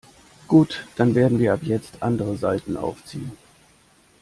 Gut, dann werden wir ab jetzt andere Saiten aufziehen.